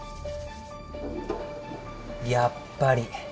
やっぱり。